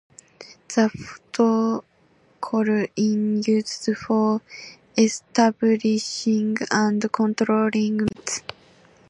The protocol is used for establishing and controlling media sessions between end points.